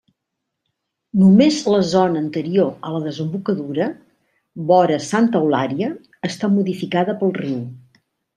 Només la zona anterior a la desembocadura, vora Santa Eulària, està modificada pel riu.